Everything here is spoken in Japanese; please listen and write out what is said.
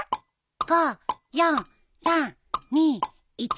５４３２１。